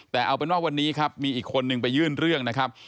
แต่เอาเป็นว่าวันนี้ครับมีอีกคนนึงไปยื่นเรื่องนะครับ